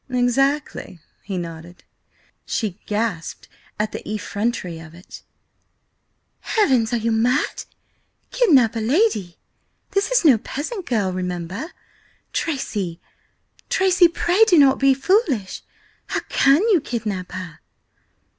"Exactly," he nodded. She gasped at the effrontery of it. "Heavens, are you mad? Kidnap a lady! This is no peasant girl, remember. Tracy, Tracy, pray do not be foolish! How can you kidnap her?"